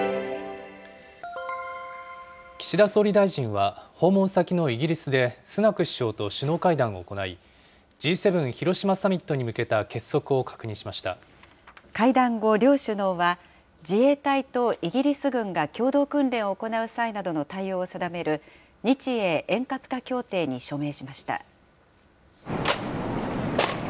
岸田総理大臣は訪問先のイギリスで、スナク首相と首脳会談を行い、Ｇ７広島サミットに向けた結束を確会談後、両首脳は自衛隊とイギリス軍が共同訓練を行う際などの対応を定める、日英円滑化協定に署名しました。